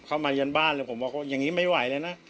เข้ามาเย็นบ้านเลยผมว่าอย่างนี้ไม่ไหวเลยนะ